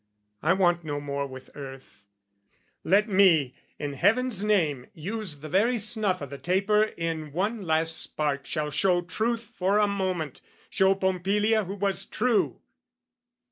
I want no more with earth. Let me, in heaven's name, use the very snuff O' the taper in one last spark shall show truth For a moment, show Pompilia who was true!